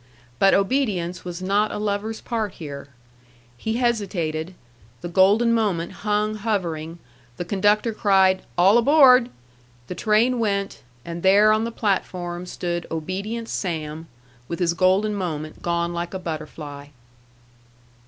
But obedience was not a lover's part here. He hesitated, the golden moment hung hovering, the conductor cried "All aboard!" the train went, and there on the platform stood obedient Sam, with his golden moment gone like a butterfly.